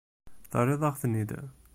Terriḍ-aɣ-ten-id.